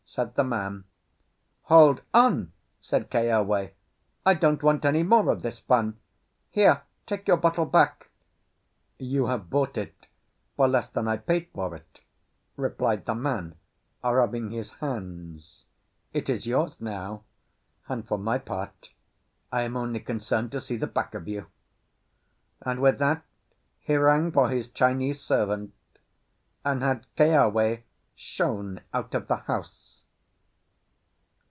said the man. "Hold on," said Keawe, "I don't want any more of this fun. Here, take your bottle back." "You have bought it for less than I paid for it," replied the man, rubbing his hands. "It is yours now; and, for my part, I am only concerned to see the back of you." And with that he rang for his Chinese servant, and had Keawe shown out of the house.